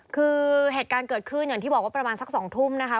คือเหตุการณ์เกิดขึ้นอย่างที่บอกว่าประมาณสัก๒ทุ่มนะคะ